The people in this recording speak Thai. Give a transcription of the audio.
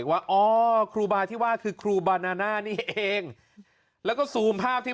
ว่าอ๋อครูบาที่ว่าคือครูบานาน่านี่เองแล้วก็ซูมภาพที่